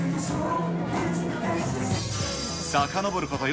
さかのぼること